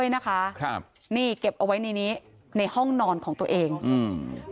นะคะครับนี่เก็บเอาไว้ในนี้ในห้องนอนของตัวเองอืม